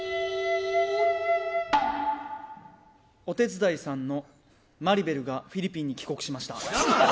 お手伝いさんのマリベルがフィリピンに帰国しました。